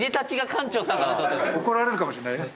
怒られるかもしれないね。